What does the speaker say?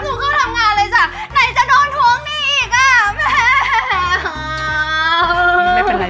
ผมก็เลยสอนให้